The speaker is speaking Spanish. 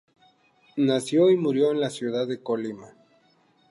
Nació y murió en la ciudad de Colima.